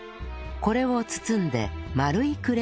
これを包んで丸いクレープを